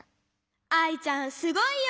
アイちゃんすごいよ！